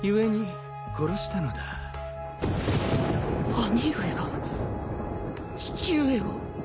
兄上が父上を。